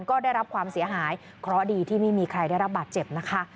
ก็ได้รับความเสียหายเพราะดีที่ไม่มีใครได้รับบาดเจ็บนะคะ